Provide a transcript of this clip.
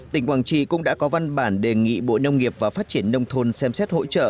tỉnh quảng trị cũng đã có văn bản đề nghị bộ nông nghiệp và phát triển nông thôn xem xét hỗ trợ